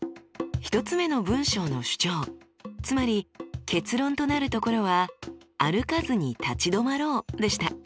１つ目の文章の主張つまり結論となるところは「歩かずに立ち止まろう」でした。